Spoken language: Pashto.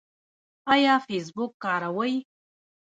ایا فیسبوک کاروئ؟